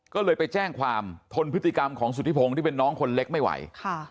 ก็เลยไปแจ้งความทนพฤติกรรมของสุธิพงศ์ที่เป็นน้องคนเล็กไม่ไหวค่ะ